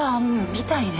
みたいね。